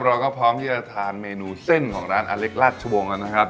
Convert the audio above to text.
เราก็พร้อมที่จะทานเมนูเส้นของร้านอเล็กราชวงศ์แล้วนะครับ